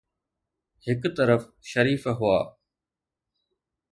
هڪ طرف شريف هئا.